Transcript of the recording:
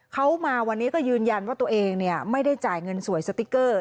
เขามาวันนี้ก็ยืนยันว่าตัวเองไม่ได้จ่ายเงินสวยสติ๊กเกอร์